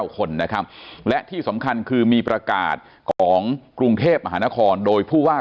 คนนะครับและที่สำคัญคือมีประกาศของกรุงเทพมหานครโดยผู้ว่า